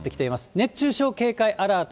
熱中症警戒アラート。